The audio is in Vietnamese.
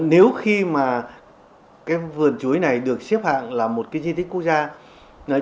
nếu khi mà vườn chuối này được xếp hạng là một di tích quốc gia